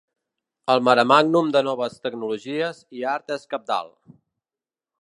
El maremàgnum de noves tecnologies i art és cabdal.